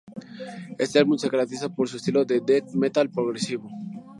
Este álbum se caracteriza por su estilo de "death metal progresivo".